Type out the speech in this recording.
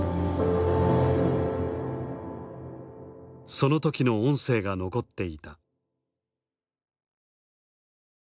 その時の音声が残っていた。